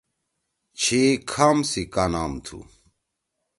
چھی کھام سی کا نام تُھو؟